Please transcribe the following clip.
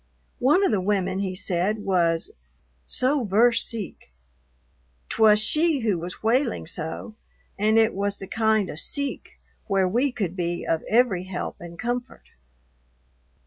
One of the women, he said, was "so ver' seek," 't was she who was wailing so, and it was the kind of "seek" where we could be of every help and comfort.